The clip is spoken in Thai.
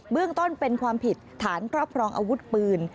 เรื่องต้นเป็นความผิดฐานครอบครองอาวุธปืน